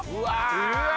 うわ！